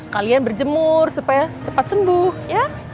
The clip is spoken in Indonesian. kalian berjemur supaya cepat sembuh ya